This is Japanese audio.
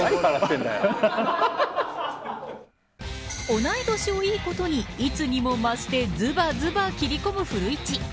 同い年をいいことにいつにも増してずばずば切り込む古市。